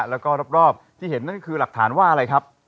แล้วก็รอบที่เห็นนั่นก็คือหลักฐานว่าอะไรครับ